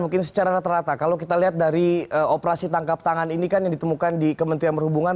mungkin secara rata rata kalau kita lihat dari operasi tangkap tangan ini kan yang ditemukan di kementerian perhubungan